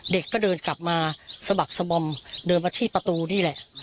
เด็กก็เดินกลับมาสะบักสบอมเดินมาที่ประตูนี่แหละ